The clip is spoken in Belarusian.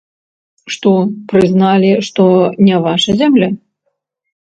Што, прызналі, што не ваша зямля?